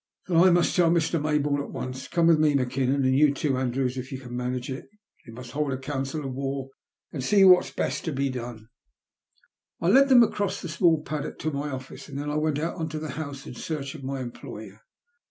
'' Then I must tell Mr. Mayboume at once. Come with me Mackinnon, and you too, Andrews, if you can manage it. We must hold a council of war and see what's best to be done." I led them across the small paddock to my office, and then went on to the house in search of my employer.